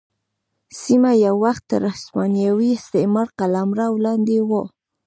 سیمه یو وخت تر هسپانوي استعمار قلمرو لاندې وه.